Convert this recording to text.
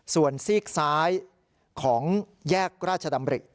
ส่วนซีกซ้ายของแยกราชดำริ